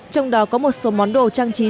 trong đó có một số món đồ trang trí